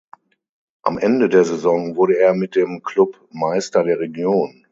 Am Ende der Saison wurde er mit dem Klub Meister der Region.